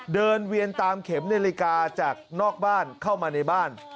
เวียนตามเข็มนาฬิกาจากนอกบ้านเข้ามาในบ้าน